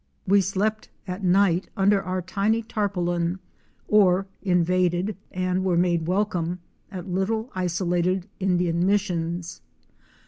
We slept at night under our tiny tarpaulin, or invaded, and were made welcome at little isolated Indian missions.